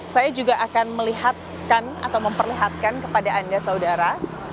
saya juga akan melihatkan atau memperlihatkan kepada anda saudara